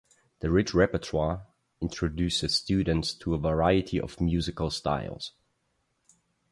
The rich repertoire introduces students to a variety of musical styles.